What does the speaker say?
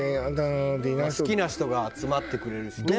好きな人が集まってくれるしね。